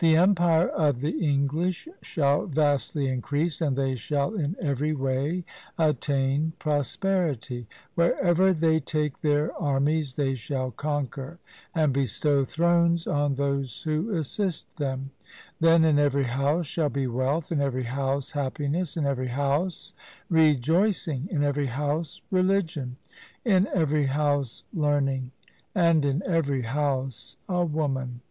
The empire of the English shall vastly increase, and they shall in every way attain prosperity. Wherever they take their armies they shall conquer, and bestow thrones on those who assist them. Then in every house shall be wealth, in every house happiness, in every house rejoicing, in every house religion, in every house learning, and in every house a woman.